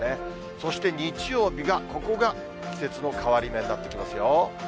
そして日曜日が、ここが季節の変わり目になってきますよ。